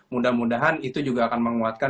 mudah mudahan itu juga akan menguatkan